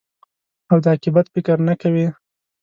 او د عاقبت فکر نه کوې.